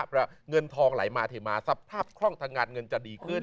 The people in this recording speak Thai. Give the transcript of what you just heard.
เพราะเงินทองไหลมาเทมาสภาพคล่องทางงานเงินจะดีขึ้น